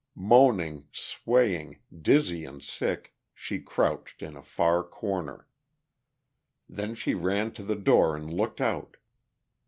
Moaning, swaying, dizzy and sick, she crouched in a far corner. Then she ran to the door and looked out.